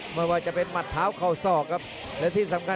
กระโดยสิ้งเล็กนี่ออกกันขาสันเหมือนกันครับ